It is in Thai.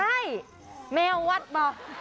ใช่แมววัดบอก